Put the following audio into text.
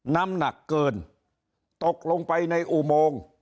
น้ำหนักเกินตกลงไปในอุโมง